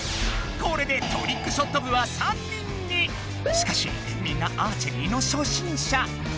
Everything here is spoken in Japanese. しかしみんなアーチェリーの初心者。